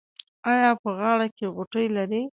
ایا په غاړه کې غوټې لرئ؟